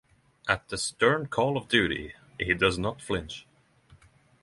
At the stern call of duty he does not flinch.